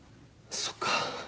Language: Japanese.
そっか。